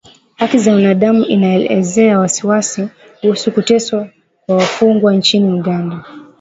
Haki za binadamu inaelezea wasiwasi kuhusu kuteswa kwa wafungwa nchini Uganda